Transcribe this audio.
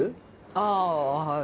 ああはい。